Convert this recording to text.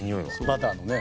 バターのね。